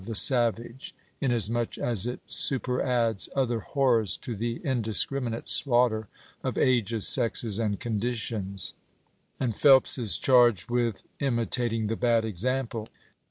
'° the savage, inasmuch as it superadds other horrors Docu "' to the indiscriminate slaughter of ages, sexes, and p. 246. conditions "; and Phelps is charged with imitating the bad example.